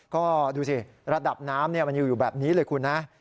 ก็ดูสิระดับน้ำมันอยู่แบบนี้เลยคุณนะ